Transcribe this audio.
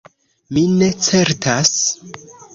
Mi ne certas.